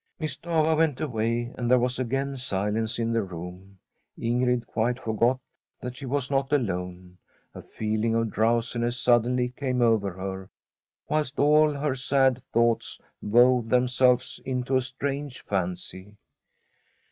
Miss Stafva went away, ana there was again silence in the room. Ingrid quite forgot that she was not alone ; a feeling of drowsiness suddenly came over her, whilst all her sad thoughts wove themselves into a strange fancy.